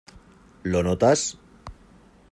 ¿ lo notas?